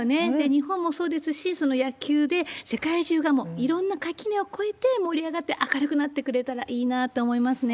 日本もそうですし、野球で世界中がもういろんな垣根を越えて盛り上がって、明るくなってくれたらいいなって思いますね。